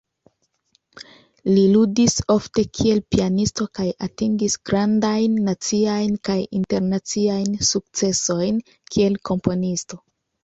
Li ludis ofte kiel pianisto kaj atingis grandajn naciajn kaj internaciajn sukcesojn kiel komponisto.